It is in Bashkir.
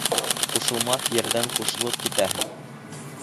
Ҡушылмаҫ ерҙән ҡушылып китәһең.